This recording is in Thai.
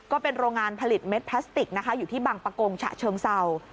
ก็เป็นโรงงานผลิตเม็ดพลาสติกนะคะอยู่ที่บังปะโกงฉะเชิงเศร้า